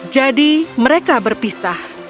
jadi mereka berpisah